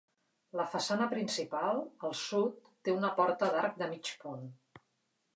La façana principal, al sud té una porta d'arc de mig punt.